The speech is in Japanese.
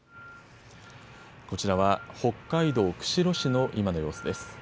こちらは北海道釧路市の今の様子です。